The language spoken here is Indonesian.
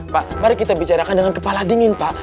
pak mari kita bicarakan dengan kepala dingin pak